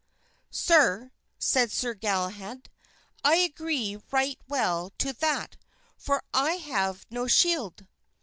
"Sir," said Sir Galahad, "I agree right well to that, for I have no shield."